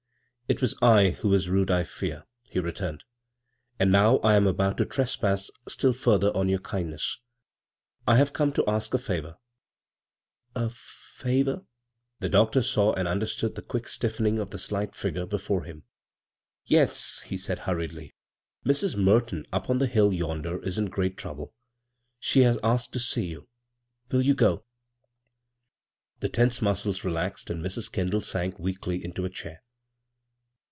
" It was I who was rude, I fear," he re turned; "and now I am about to trespass still further on your kindness. I have come to ask a favor." " A — favor ?" The doctor saw and understood the quick stiffening of the slight figure before him. " Yes," he said hurriedly, " Mrs. Merton up on the hill yonder is in great trouble. She has asked to see you. Will you The tense muscles relaxed and Mrs. Ken 11 sank weakly into a chair.